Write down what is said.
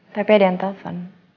tapi ada yang telfon